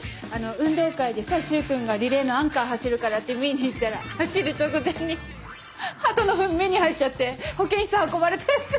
運動会でさ柊君がリレーのアンカー走るからって見に行ったら走る直前にハトのフン目に入っちゃって保健室運ばれてハハハ。